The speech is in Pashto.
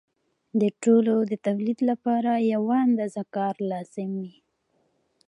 د ټولو د تولید لپاره یوه اندازه کار لازم وي